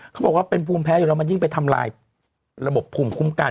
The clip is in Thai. เขาบอกว่าเป็นภูมิแพ้อยู่แล้วมันยิ่งไปทำลายระบบภูมิคุ้มกัน